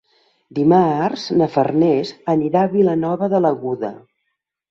Dimarts na Farners anirà a Vilanova de l'Aguda.